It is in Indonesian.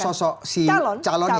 sosok maksudnya sosok si calon ya